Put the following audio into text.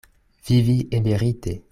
Vivi emerite.